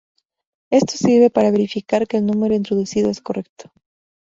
Esto sirve para verificar que el número introducido es correcto.